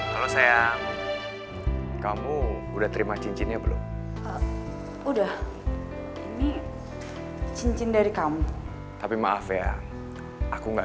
kalau saya kamu udah terima cincinnya belum udah ini cincin dari kamu tapi maaf ya aku enggak